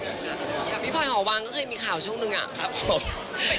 กับพี่พลอยหอวางก็เคยมีข่าวช่วงนึงอ่ะ